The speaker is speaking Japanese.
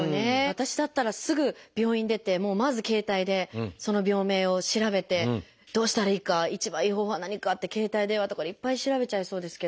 私だったらすぐ病院出てまず携帯でその病名を調べてどうしたらいいか一番いい方法は何かって携帯電話とかでいっぱい調べちゃいそうですけど。